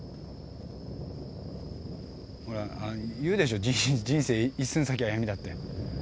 ほら言うでしょ「人生一寸先は闇」だって。